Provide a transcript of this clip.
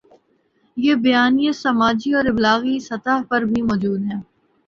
یہ بیانیے سماجی اور ابلاغی سطح پر بھی موجود ہیں۔